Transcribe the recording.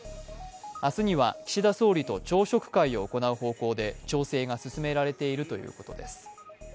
明日には岸田総理と朝食会を行う方向で調整が進められているということです。